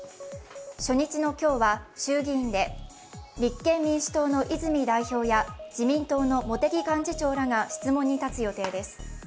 初日の今日は衆議院で立憲民主党の泉代表や自民党の茂木幹事長が質問に立つ予定です。